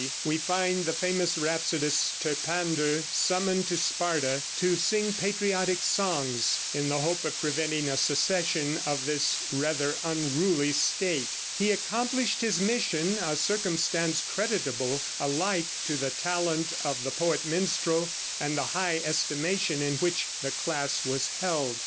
we find the famous rhapsodist, Terpander, summoned to Sparta to sing patriotic songs, in the hope of preventing a secession of this rather unruly state. He accomplished his mission, a circumstance creditable alike to the talent of the poet minstrel and the high estimation in which the class was held.